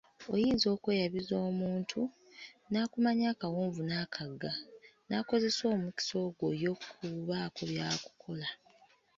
Oyinza okweyabiza omuntu, n’akumanya akawonvu n’akagga, n’akozesa omukisa ogwo y'okubaako by’akukola.